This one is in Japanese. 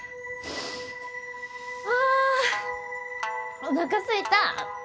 あおなかすいた！